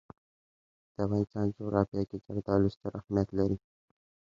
د افغانستان جغرافیه کې زردالو ستر اهمیت لري.